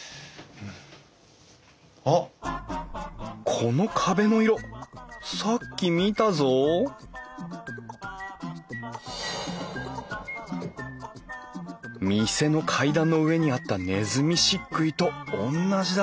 この壁の色さっき見たぞ店の階段の上にあったねずみ漆喰とおんなじだ